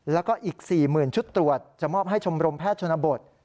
แล้วก็อีก๔๐๐๐ชุดตรวจจะมอบให้ชมรมแพทย์ชนบท